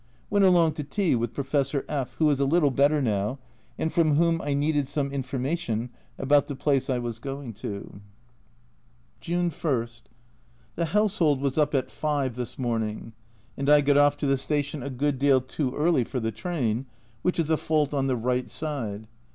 Went along to tea with Professor F , who is a little better now, and from whom I needed some information about the place I was going to. 1 68 A Journal from Japan June I. The household was up at 5 this morning, and I got off to the station a good deal too early for the train, which is a fault on the right side.